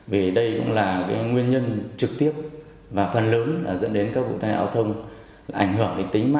vì đây cũng là nguyên nhân trực tiếp và phần lớn dẫn đến các vụ thay đổi